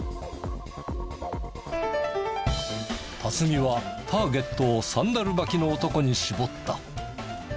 辰己はターゲットをサンダル履きの男に絞った。